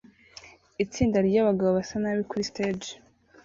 Itsinda ryabagabo basa nabi kuri stage